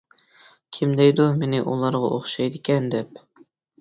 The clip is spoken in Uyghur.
كىم دەيدۇ مېنى ئۇلارغا ئوخشايدىكەن دەپ؟ !